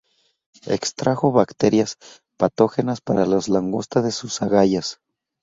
Extrajo bacterias patógenas para las langostas de sus agallas.